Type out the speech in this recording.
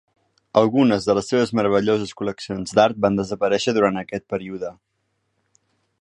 Algunes de les seves meravelloses col·leccions d"art van desaparèixer durant aquest període.